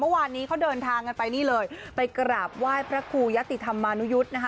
เมื่อวานนี้เขาเดินทางไปกราบไหว้พระครูยาธิธรรมาณูยุทธ์